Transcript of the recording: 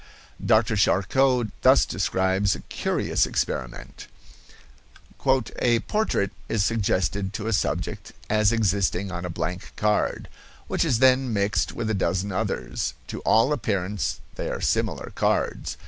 Dr. Charcot thus describes a curious experiment: "A portrait is suggested to a subject as existing on a blank card, which is then mixed with a dozen others; to all appearance they are similar cards.